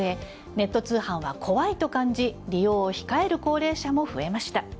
ネット通販は怖いと感じ利用を控える高齢者も増えました。